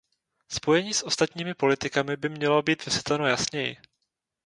Spojení s ostatními politikami by mělo být vysvětleno jasněji.